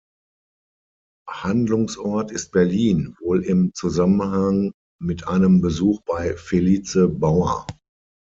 Handlungsort ist Berlin, wohl im Zusammenhang mit einem Besuch bei Felice Bauer.